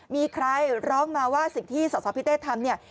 มีใครร้องมาว่าสิ่งที่สอสอพิเตธ์ทำ